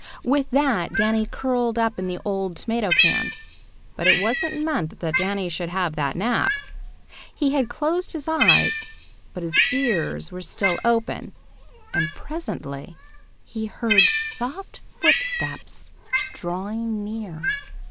With that Danny curled up in the old tomato can. But it wasn't meant that Danny should have that nap. He had closed his eyes, but his ears were still open, and presently he heard soft footsteps drawing near.